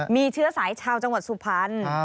มีเชื้อสายชาวจังหวัดสุพรรณ